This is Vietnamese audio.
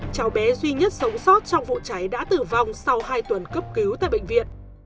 cháu bé duy nhất sống sót trong vụ cháy đã tử vong sau hai tuần cấp cứu tại bệnh viện